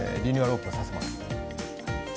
オープンさせます。